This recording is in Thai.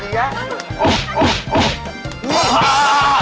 โอ๊ะโอ๊ะโอ๊ะ